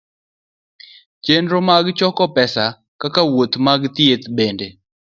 Chenro mag choko pesa kaka wuoth mag thieth bende